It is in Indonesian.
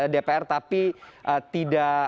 dpr tapi tidak